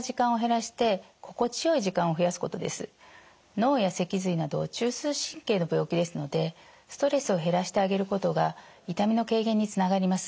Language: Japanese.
何よりも脳や脊髄など中枢神経の病気ですのでストレスを減らしてあげることが痛みの軽減につながります。